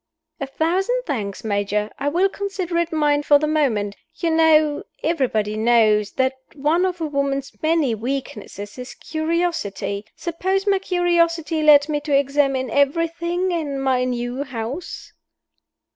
"A thousand thanks, Major; I will consider it mine for the moment. You know everybody knows that one of a woman's many weaknesses is curiosity. Suppose my curiosity led me to examine everything in my new house?"